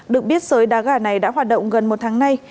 được biết sới đá gà này đã hoạt động gần một tháng nay